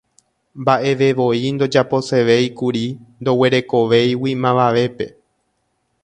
Mba'evevoi ndojaposevéikuri ndoguerekovéigui mavavépe.